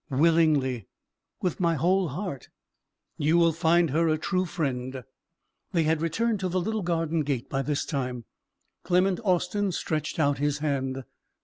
"Willingly, with my whole heart." "You will find her a true friend." They had returned to the little garden gate by this time. Clement Austin stretched out his hand.